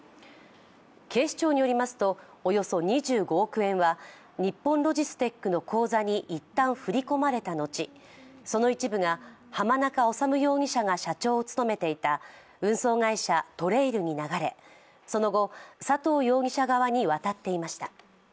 警視庁によりますと、およそ２５億円は日本ロジステックの口座に一旦振り込まれた後、その一部が浜中治容疑者が社長を務めていた運送会社、ＴＲＡＩＬに流れ、その後、佐藤容疑者側に渡っていました。